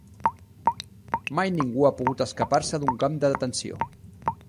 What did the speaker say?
Mai ningú ha pogut escapar-se d'un camp de detenció